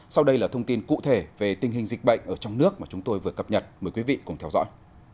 sau đây là thông tin cụ thể về tình hình dịch bệnh ở trong nước mà chúng tôi vừa cập nhật mời quý vị cùng theo dõi